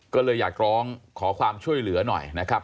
ก็เลยอยากร้องขอความช่วยเหลือหน่อยนะครับ